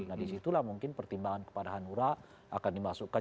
nah disitulah mungkin pertimbangan kepada hanura akan dimasukkan